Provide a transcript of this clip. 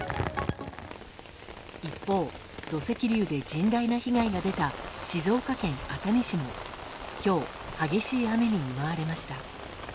一方土石流で甚大な被害が出た静岡県熱海市も今日、激しい雨に見舞われました。